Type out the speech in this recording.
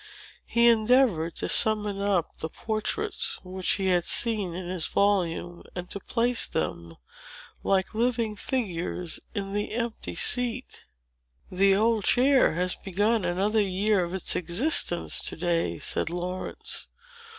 He endeavored to summon up the portraits which he had seen in his volume, and to place them, like living figures, in the empty seat. "The old chair has begun another year of its existence, to day," said Laurence.